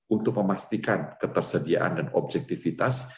untuk memastikan ketersediaan dan objektivitas